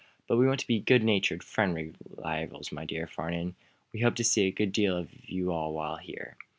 "But we want to be good natured, friendly rivals, my dear Farnum. We hope to see a good deal of you all while here."